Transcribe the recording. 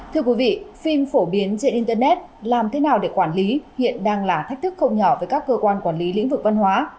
thưa quý vị phim phổ biến trên internet làm thế nào để quản lý hiện đang là thách thức không nhỏ với các cơ quan quản lý lĩnh vực văn hóa